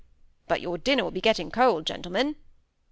But your dinner will be getting cold, gentlemen."